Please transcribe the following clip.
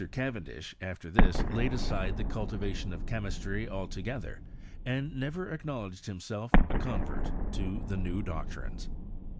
Cavendish afier this laid aside the cultivation of chemistry alto gether, and never acknowledged himself a convert to the new doctrines.